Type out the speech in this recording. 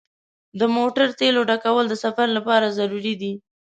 د موټر تیلو ډکول د سفر لپاره ضروري دي.